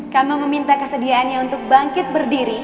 kamil meminta kesediaannya untuk bangkit berdiri